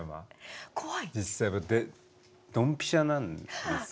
実際ドンピシャなんですよ。